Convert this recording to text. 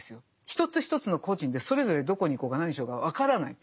一つ一つの個人でそれぞれどこに行こうが何しようが分からない。